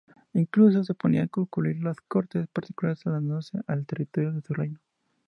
Incluso se podían concluir las Cortes particulares trasladándose al territorio de su reino.